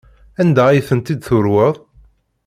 Anda ay tent-id-turweḍ?